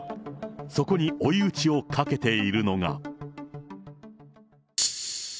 そこに追い打ちをかけているのが。